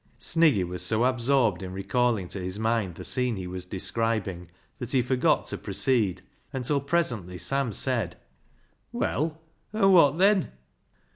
Sniggy was so absorbed in recalling to his mind the scene he was describing, that he forgot to proceed, until presently Sam said — I40 BECKSIDE LIGHTS " Well, an' wot then